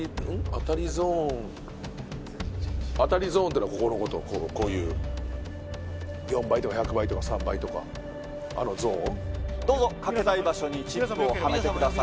当たりゾーン当たりゾーンってのはここのことこういう４倍とか１００倍とか３倍とかあのゾーンどうぞ賭けたい場所にチップをはめてください